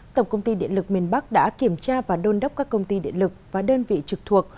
tổng công ty điện lực miền bắc đã kiểm tra và đôn đốc các công ty điện lực và đơn vị trực thuộc